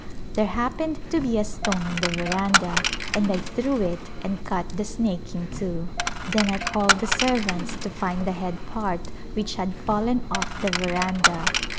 There happened to be a stone on the veranda and I threw it and cut the snake in two, then I called the servants to find the head part which had fallen off the A Pilgrimage veranda.